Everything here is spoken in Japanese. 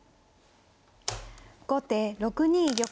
後手６二玉。